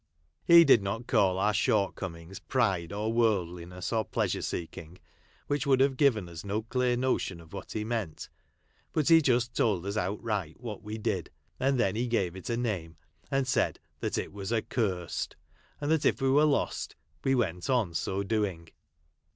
He did not call our short comings pride or world liness, or pleasure seeking, which would have given us no clear notion of what he meant, but he just told us outright what we did, and then he gave it a name, and said that it was accursed, — and that we were lost if we went on so doing.